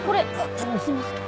ちょっとすいません。